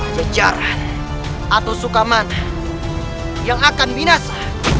ada jarak atau suka mana yang akan binasa